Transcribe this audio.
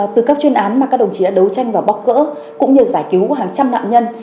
từ các chuyên án mà các đồng chí đã đấu tranh và bóc gỡ cũng như giải cứu hàng trăm nạn nhân